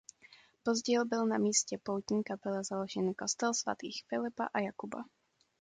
Později byl na místě poutní kaple založen kostel svatých Filipa a Jakuba.